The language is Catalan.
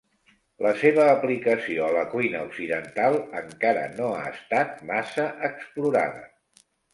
La seva aplicació a la cuina occidental encara no ha estat massa explorada.